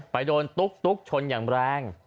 ไปโดนตุ๊กชนอย่างแรง